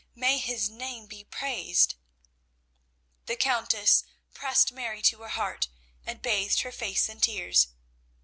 May His name be praised!" The Countess pressed Mary to her heart, and bathed her face in tears.